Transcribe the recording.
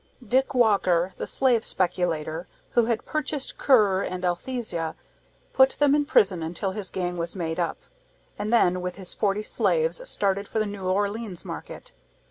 DICK WALKER, the slave speculator, who had purchased Currer and Althesa, put them in prison until his gang was made up, and then, with his forty slaves, started for the New Orleans market.